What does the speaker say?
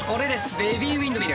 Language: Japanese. ベビーウィンドミル。